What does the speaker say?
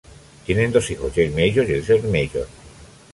Tienen dos hijos, James Major y Elizabeth Major.